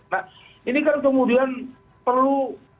nah ini kan kemudian perlu